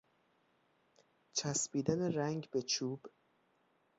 چسبیدن رنگ به چوب